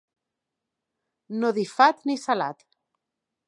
No dir fat ni salat.